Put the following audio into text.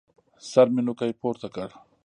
سر مې نوکى پورته کړ.